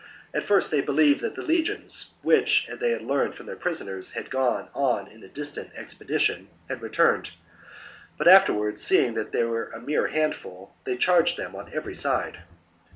At first they believed that the legions, which, as they had learned from their prisoners, had gone on a distant expedition, had returned ; but afterwards, seeing that they were a mere handful, they charged them on every side.